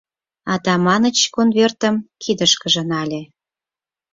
Атаманыч конвертым кидышкыже нале.